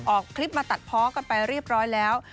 ออกคลิปมาตัดเพาะกันไปเรียบร้อยแล้ว